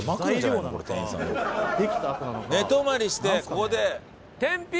寝泊まりしてここで。